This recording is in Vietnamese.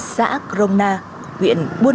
xã crona huyện bình dương